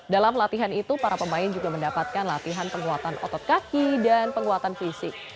dalam latihan itu para pemain juga mendapatkan latihan penguatan otot kaki dan penguatan fisik